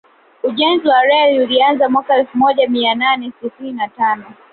Ujenzi wa reli ulianza mwaka elfu moja mia nane tisini na tano